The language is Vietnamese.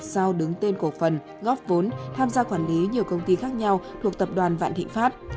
giao đứng tên cổ phần góp vốn tham gia quản lý nhiều công ty khác nhau thuộc tập đoàn vạn thịnh pháp